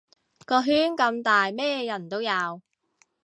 個圈咁大咩人都有